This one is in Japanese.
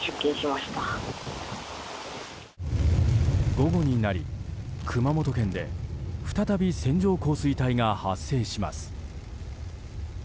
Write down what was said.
午後になり、熊本県で再び線状降水帯が発生します。